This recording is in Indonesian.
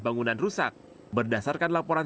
bangunan rusak berdasarkan laporan